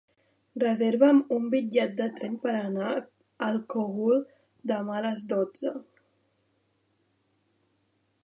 Reserva'm un bitllet de tren per anar al Cogul demà a les dotze.